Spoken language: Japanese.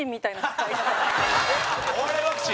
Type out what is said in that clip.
せいや：お笑いワクチン。